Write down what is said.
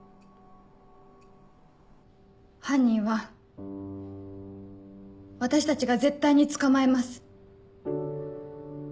犯人は私たちが絶対に捕まえます。